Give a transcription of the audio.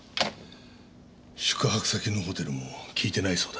宿泊先のホテルも聞いてないそうだ。